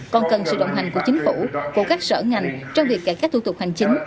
còn cần sự đồng hành của chính phủ của các sở ngành trong việc cải cách thủ tục hành chính